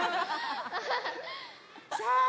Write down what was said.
さあ